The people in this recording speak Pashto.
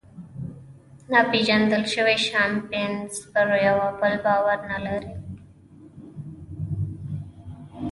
ناپېژندل شوي شامپانزیان پر یوه بل باور نهلري.